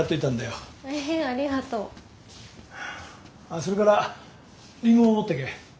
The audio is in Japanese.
あっそれからリンゴも持ってけ。